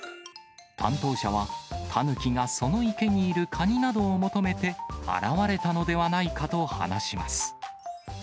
担当者は、たぬきがその池にいるカニなどを求めて現れたのではないかと話します。